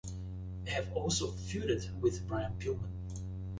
They have also feuded with Brian Pillman.